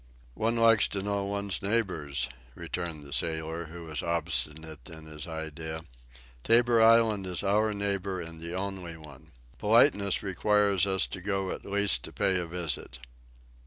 "One likes to know one's neighbors," returned the sailor, who was obstinate in his idea. "Tabor Island is our neighbor, and the only one! Politeness requires us to go at least to pay a visit."